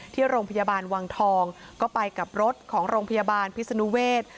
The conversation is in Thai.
ที่โรงพยาบาลวังทองก็ไปกับรถของโรงพยาบาลพิศนุเวศ